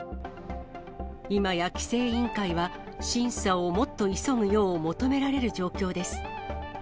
今や規制委員会は、審査をもっと急ぐよう求められる状況です。